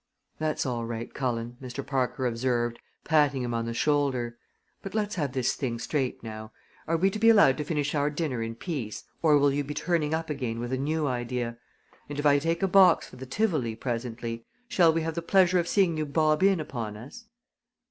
"That's all right, Cullen," Mr. Parker observed, patting him on the shoulder; "but let's have this thing straight now. Are we to be allowed to finish our dinner in peace or will you be turning up again with a new idea? And if I take a box for the Tivoli presently, shall we have the pleasure of seeing you bob in upon us?"